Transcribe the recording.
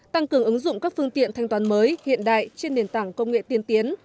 tăng cường ứng dụng các phương tiện thanh toán mới hiện đại trên nền tảng công nghệ tiên tiến